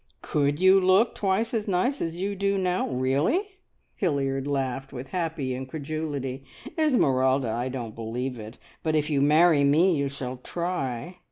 "Could you look twice as nice as you do now really?" Hilliard laughed with happy incredulity. "Esmeralda, I don't believe it; but if you marry me you shall try!